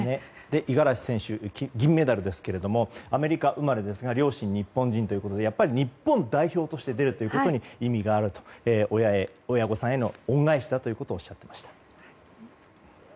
五十嵐選手銀メダルですがアメリカ生まれですが両親が日本人ということで日本代表で出るということに意味があると親御さんへの恩返しだとおっしゃっていました。